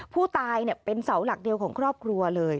ผู้ตายเป็นเสาหลักเดียวของครอบครัวเลย